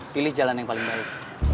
pilih jalan yang paling baik